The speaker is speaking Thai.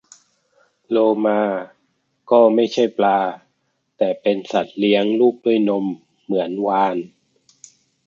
โลมา ก็ไม่ใช่ปลา แต่เป็นสัตว์เลี้ยงลูกด้วยนมเหมือนวาฬ